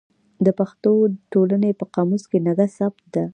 د پښتو ټولنې په قاموس کې نګه ثبت ده.